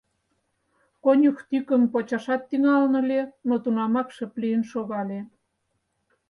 Конюх тӱкым почашат тӱҥалын ыле, но тунамак шып лийын шогале.